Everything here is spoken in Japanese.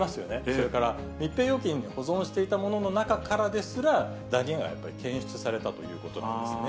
それから、密閉容器に保存していたものの中からですら、ダニがやっぱり検出されたということなんですね。